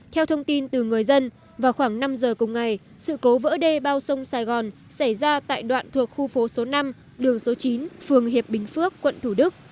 theo thông tin từ người dân vào khoảng năm giờ cùng ngày sự cố vỡ đê bao sông sài gòn xảy ra tại đoạn thuộc khu phố số năm đường số chín phường hiệp bình phước quận thủ đức